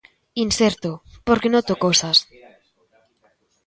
Inserto: 'Porque noto cosas.'